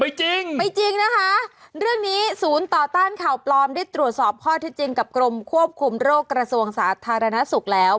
จริงไม่จริงนะคะเรื่องนี้ศูนย์ต่อต้านข่าวปลอมได้ตรวจสอบข้อที่จริงกับกรมควบคุมโรคกระทรวงสาธารณสุขแล้ว